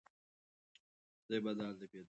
که غازیان تږي سي، نو ماتې به وخوري.